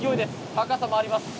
高さもあります。